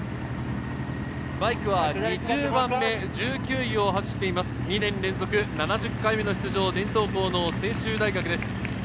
バイクは２０番目、１９位を走る２年連続７０回目の出場、専修大学です。